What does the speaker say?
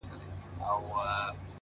د تورو سترگو وه سورخۍ ته مي؛